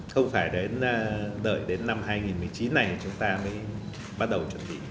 không phải đợi đến năm hai nghìn một mươi chín này chúng ta mới bắt đầu chuẩn bị